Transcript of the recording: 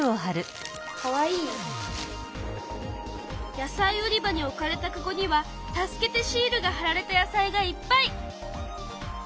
野菜売り場に置かれたかごには「助けてシール」がはられた野菜がいっぱい！